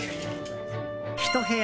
１部屋